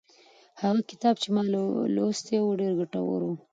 هغه کتاب چې ما لوستی و ډېر ګټور و.